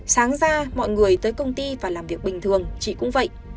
sáng ra mọi người tới công ty và làm việc bình thường chị cũng vậy